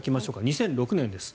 ２００６年です。